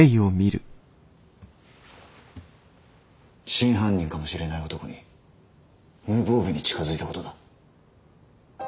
真犯人かもしれない男に無防備に近づいたことだ。